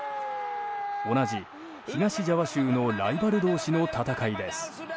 同じ東ジャワ州のライバル同士の戦いです。